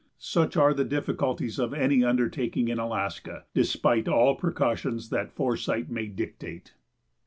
Such are the difficulties of any undertaking in Alaska, despite all the precautions that foresight may dictate.